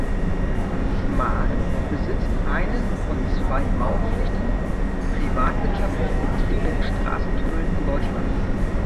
Schmarl besitzt einen von zwei mautpflichtigen privatwirtschaftlich betriebenen Straßentunneln in Deutschland.